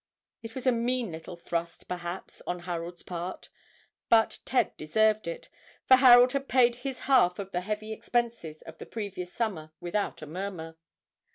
It was a mean little thrust, perhaps, on Harold's part, but Ted deserved it, for Harold had paid his half of the heavy expenses of the previous summer without a murmur.